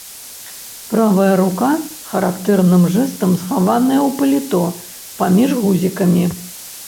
Правая рука характэрным жэстам схаваная ў паліто паміж гузікамі.